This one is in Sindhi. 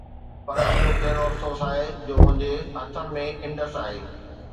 پر اهو ڪهڙو افسوس آهي جو منهنجي هٿن ۾ انڊس آهي